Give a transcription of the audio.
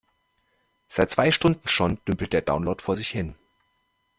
Seit zwei Stunden schon dümpelt der Download vor sich hin.